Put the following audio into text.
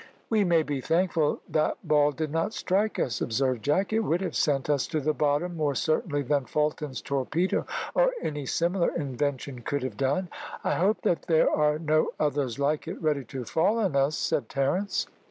"We may be thankful that ball did not strike us," observed Jack. "It would have sent us to the bottom more certainly than Fulton's torpedo, or any similar invention, could have done." "I hope that there are no others like it ready to fall on us," said Terence.